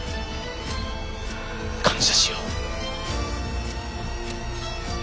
感謝しよう。